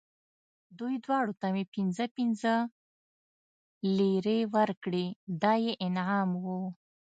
دوی دواړو ته مې پنځه پنځه لېرې ورکړې، دا یې انعام و.